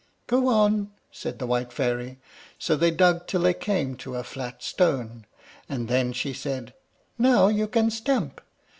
"Go on," said the white fairy; so they dug till they came to a flat stone, and then she said, "Now you can stamp.